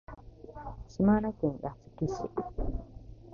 島根県安来市